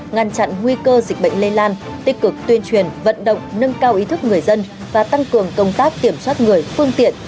ngăn chặn nguy cơ dịch bệnh lây lan tích cực tuyên truyền vận động nâng cao ý thức người dân và tăng cường công tác kiểm soát người phương tiện